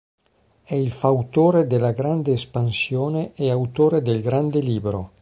È il fautore della Grande Espansione e autore del Grande Libro.